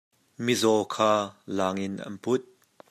Mizaw kha laang in an put.